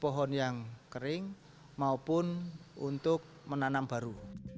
pohon yang kering maupun untuk menanam baru